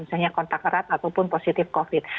misalnya kontak erat ataupun positif covid sembilan belas